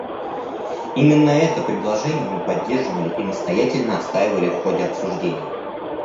Именно это предложение мы поддерживали и настоятельно отстаивали в ходе обсуждений.